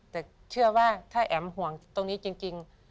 แต่เชื่อว่าถ้าแอ๋มห่วงตรงนี้จริง